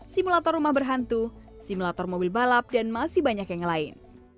simulator rumah berhantu simulator mobil balap dan masih banyak yang lain